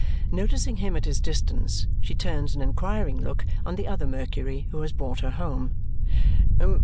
Noticing him at his distance, she turns an inquiring look on the other Mercury who has brought her home.